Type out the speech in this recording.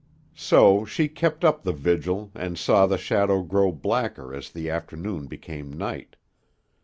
So she kept up the vigil, and saw the shadow grow blacker as the afternoon became night.